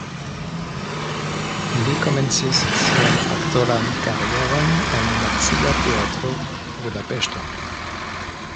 Li komencis sian aktoran karieron en Nacia Teatro (Budapeŝto).